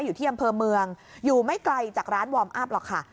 อยู่ที่อำเภอเมืองอยู่ไม่ไกลจากร้านวอร์มอัพหรอกค่ะ